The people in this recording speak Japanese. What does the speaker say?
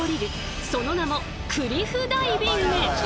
その名も「クリフダイビング」！